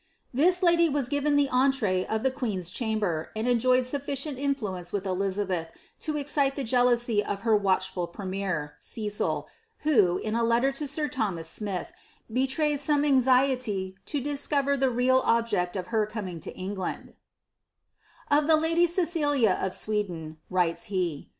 This lady was given the (otree of the queen's chamber, and enjoyed sniTicient influence with Eliabeth to excite the jealousy of her watchful premier, Cecil, who, in I letter to sir Thomas Smith, betrays some anxiety to discover the real cbfeet of her coming to England :— •Of ihe lady Cecilia of Sweden," write? he.